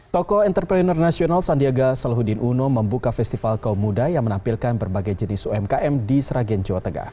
toko entrepreneur nasional sandiaga salahuddin uno membuka festival kaum muda yang menampilkan berbagai jenis umkm di sragen jawa tengah